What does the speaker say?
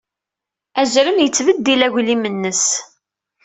Azrem yettbeddil aglim-nnes.